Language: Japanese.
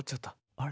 あれ。